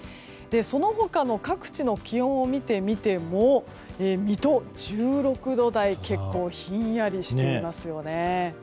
その他の各地の気温を見てみても水戸、１６度台と結構ひんやりしていますよね。